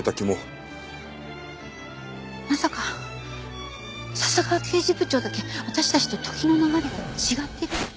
まさか笹川刑事部長だけ私たちと時の流れが違ってる？